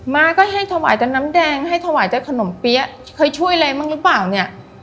มาก็ให้ถวายแต่น้ำแดงให้ถวายแต่ขนมเปี๊ยะเคยช่วยอะไรบ้างหรือเปล่าเนี่ย